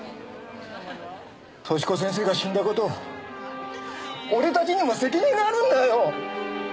寿子先生が死んだ事俺たちにも責任があるんだよ！